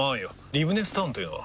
リブネスタウンというのは？